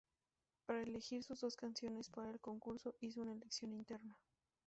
Para elegir sus dos canciones para el concurso hizo una elección interna.